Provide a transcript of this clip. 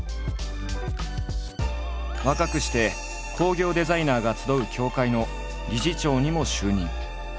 若くして工業デザイナーが集う協会の理事長にも就任。